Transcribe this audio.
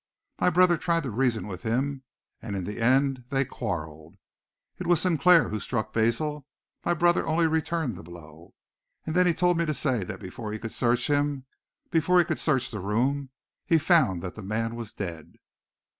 My brother tried to reason with him, and in the end they quarrelled. It was Sinclair who struck Basil. My brother only returned the blow. And then he told me to say that before he could search him, before he could search the room, he found that the man was dead."